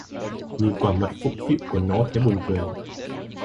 Nhìn quả mặt phụng phịu của nó thấy buồn cười